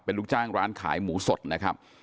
เป็นลูกจ้างร้านขายหมูสดนะครับ